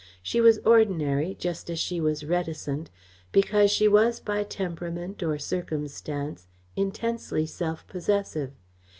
She was ordinary, just as she was reticent because she was, by temperament, or circumstance, intensely self possessive.